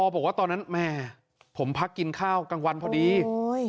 บอกว่าตอนนั้นแม่ผมพักกินข้าวกลางวันพอดีโอ้ย